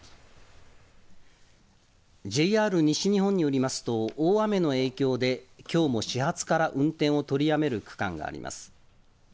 ＪＲ西日本によりますと、大雨の影響で、きょうも始発から運転を取りやめる区間があります。